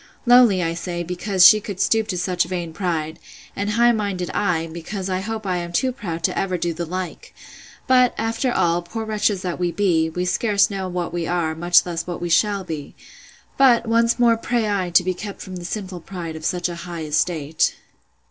Lowly, I say, because she could stoop to such vain pride; and high minded I, because I hope I am too proud ever to do the like!—But, after all, poor wretches that we be! we scarce know what we are, much less what we shall be!—But, once more pray I to be kept from the sinful pride of a high estate.